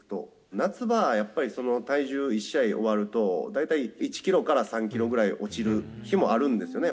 夏場はやっぱり体重、１試合終わると、大体１キロから３キロくらい落ちる日もあるんですよね。